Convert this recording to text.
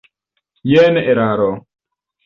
Jen eraro.